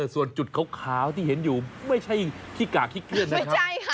ส่วนจุดขาวที่เห็นอยู่ไม่ใช่ขี้กากขี้เคลื่อนนะครับ